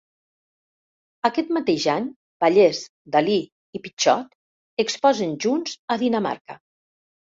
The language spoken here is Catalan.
Aquest mateix any, Vallès, Dalí i Pitxot exposen junts a Dinamarca.